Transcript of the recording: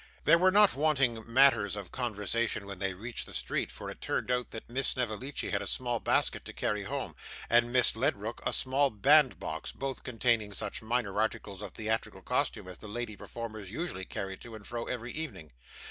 There were not wanting matters of conversation when they reached the street, for it turned out that Miss Snevellicci had a small basket to carry home, and Miss Ledrook a small bandbox, both containing such minor articles of theatrical costume as the lady performers usually carried to and fro every evening.